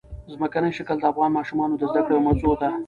ځمکنی شکل د افغان ماشومانو د زده کړې یوه موضوع ده.